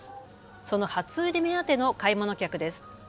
その初売り目当ての買い物客です。